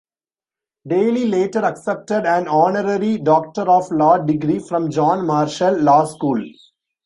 Daley later accepted an honorary Doctor of Law degree from John Marshall Law School.